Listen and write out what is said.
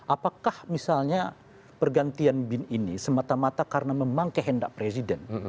apakah misalnya pergantian bin ini semata mata karena memang kehendak presiden